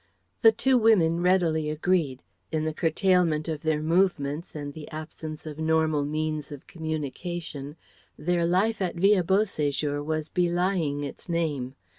The two women readily agreed. In the curtailment of their movements and the absence of normal means of communication their life at Villa Beau séjour was belying its name.